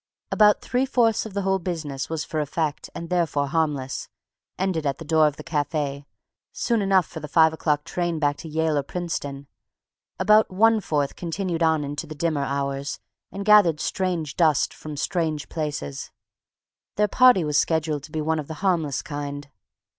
About three fourths of the whole business was for effect and therefore harmless, ended at the door of the cafe, soon enough for the five o'clock train back to Yale or Princeton; about one fourth continued on into the dimmer hours and gathered strange dust from strange places. Their party was scheduled to be one of the harmless kind.